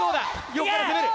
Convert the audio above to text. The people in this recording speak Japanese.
横から攻める！